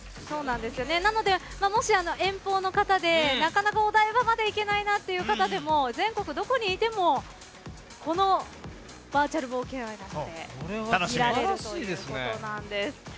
なので、もし遠方の方でなかなかお台場まで行けないという方でも全国どこにいてもこのバーチャル冒険王の中で見られるということなんです。